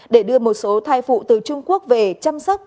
để đưa một số thai phụ từ trung quốc về chăm sóc